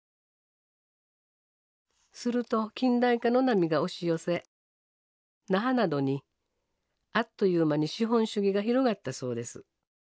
すると近代化の波が押し寄せ那覇などにあっという間に資本主義が広がったそうです。